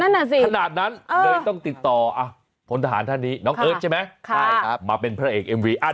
นั่นแหละสิขนาดนั้นเลยต้องติดต่อ